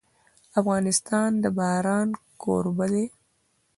افغانستان د باران کوربه دی.